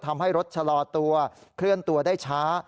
ทำให้รถชะลอตัวเคลื่อนตัวได้ช้า